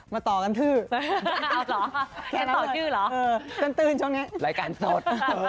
มาต่อกันทื่อคุณตื่นช่วงนี้รายการสด